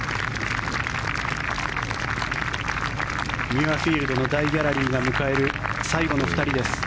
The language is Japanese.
ミュアフィールドの大ギャラリーが迎える最後の２人です。